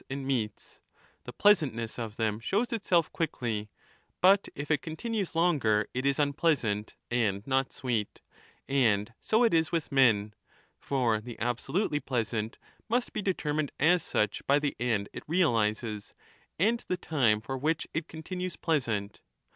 2 1238^ and meats ; the pleasantness of them shows itself quickly, but if it continues longer it is unpleasant and not sweet, and 25 so it is with men/ For the absolutely pleasant^ must be determined as such by the end it realizes and the time for which it continues pleasant.